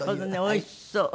おいしそう。